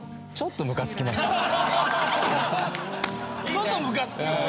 「ちょっとムカつくよね」